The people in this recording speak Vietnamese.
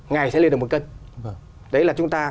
ngày sẽ lên được một cân đấy là chúng ta